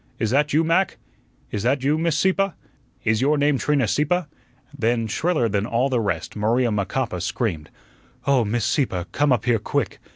"Is that you, Mac?" "Is that you, Miss Sieppe?" "Is your name Trina Sieppe?" Then, shriller than all the rest, Maria Macapa screamed: "Oh, Miss Sieppe, come up here quick.